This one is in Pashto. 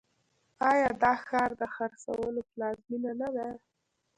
آیا دا ښار د خرسونو پلازمینه نه ده؟